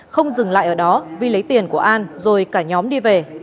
không dừng lại ở đó vi lấy tiền của an rồi cả nhóm đi về